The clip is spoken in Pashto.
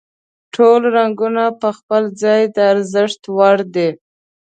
ټول رنګونه په خپل ځای د ارزښت وړ دي.